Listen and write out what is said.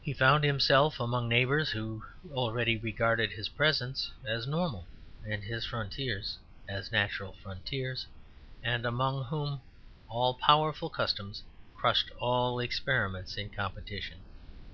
He found himself among neighbours who already regarded his presence as normal and his frontiers as natural frontiers, and among whom all powerful customs crushed all experiments in competition.